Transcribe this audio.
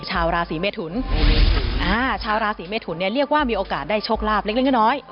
ชาวราศีเมทุนชาวราศีเมทุนเนี่ยเรียกว่ามีโอกาสได้โชคลาภเล็กน้อย